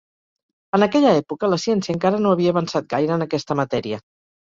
En aquella època, la ciència encara no havia avançat gaire en aquesta matèria.